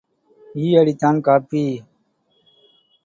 ஈ அடித்தான் காப்பி.